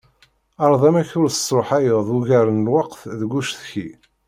Ԑreḍ amek ur tersruḥayeḍ ugar n lweqt deg ucetki.